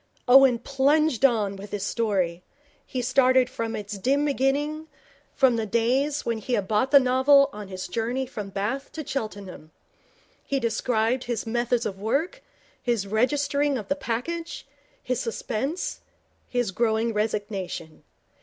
Owen plunged on with his story. He started from its dim beginning, from the days when he had bought the novel on his journey from Bath to Cheltenham. He described his methods of work, his registering of the package, his suspense, his growing resignation.